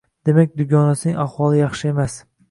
Demak, dugonasining ahvoli yaxshi emas